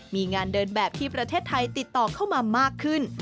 มีงานเดินแบบที่ประเทศไทยติดต่อเข้ามามากขึ้น